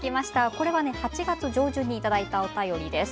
これは８月上旬に頂いたお便りです。